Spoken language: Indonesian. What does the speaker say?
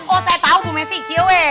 oh saya tau bu messi kiawe